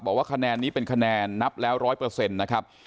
บอกว่าคะแนนนี้เป็นคะแนนนับแล้ว๑๐๐นะครับ